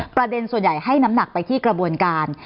ส่วนใหญ่ให้น้ำหนักไปที่กระบวนการ